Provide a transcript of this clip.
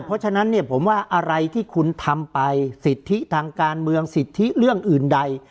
เพราะฉะนั้นเนี่ยผมว่าอะไรที่คุณทำไปสิทธิทางการเมืองสิทธิเรื่องอื่นใด